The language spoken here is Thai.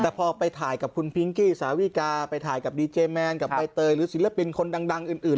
แต่พอไปถ่ายกับคุณพิงกี้สาวิกาไปถ่ายกับดีเจแมนกับใบเตยหรือศิลปินคนดังอื่น